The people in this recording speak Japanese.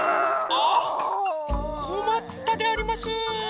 あっこまったであります。